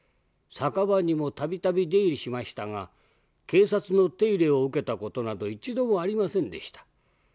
酒場にも度々出入りしましたが警察の手入れを受けた事など一度もありませんでした。